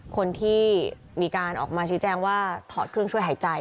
คนที่มีการออกมาชี้แจงว่าถอดเครื่องช่วยหายใจ